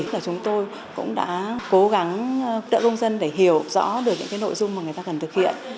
và chúng tôi cũng đã cố gắng đỡ công dân để hiểu rõ được những nội dung mà người ta cần thực hiện